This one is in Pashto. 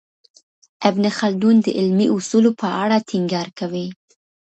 ابن خلدون د علمي اصولو په اړه ټینګار کوي.